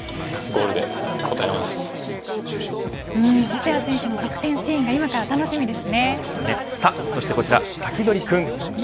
細谷選手の得点シーンが今から楽しみです。